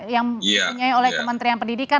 yang dipunyai oleh kementerian pendidikan